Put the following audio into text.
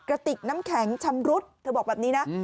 กระติกน้ำแข็งชำรุดเธอบอกแบบนี้นะ